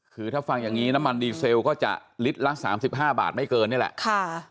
คือถ้าฟังอย่างนี้น้ำมันดีเซลก็จะลิตรละ๓๕บาทไม่เกินนี่แหละ